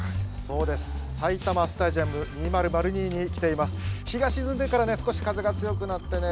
埼玉スタジアム２００２に来ています。